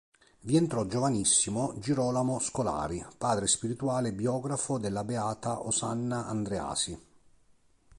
Vi entrò giovanissimo Girolamo Scolari, padre spirituale e biografo della beata Osanna Andreasi.